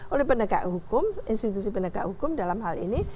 oleh penegakan hukum institusi penegakan hukum dalam hal ini